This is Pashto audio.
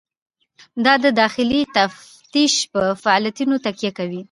دا د داخلي تفتیش په فعالیتونو تکیه کوي.